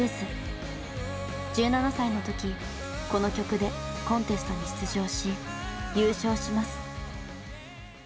１７歳の時この曲でコンテストに出場し優勝します。